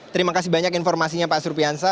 terima kasih banyak informasinya pak surpiansa